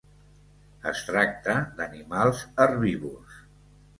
Es tracta d'animals herbívors.